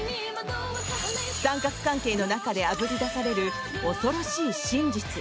三角関係の中であぶり出される恐ろしい真実。